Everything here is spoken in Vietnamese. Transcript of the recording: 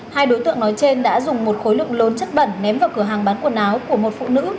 hai đối tượng nói trên đã dùng một khối lượng lớn chất bẩn ném vào cửa hàng bán quần áo của một phụ nữ